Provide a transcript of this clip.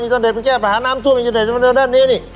อินเตอร์เน็ตมันจะแก้ปัญหาน้ำทั่วอินเตอร์เน็ตด้านนี้นี่